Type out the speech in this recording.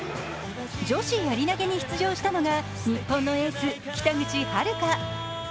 女子やり投に出場したのが日本のエース・北口榛花。